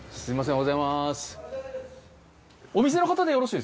・おはようございます。